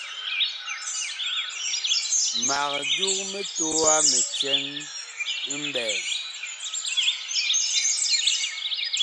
Mag dug mitowa mi cɛŋ mɓɛɛŋ.